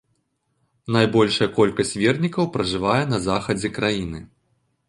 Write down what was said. Найбольшая колькасць вернікаў пражывае на захадзе краіны.